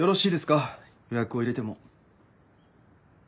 予約を入れても。